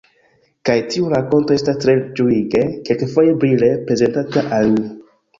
Kaj tiu rakonto estas tre ĝuige, kelkfoje brile, prezentata al ni.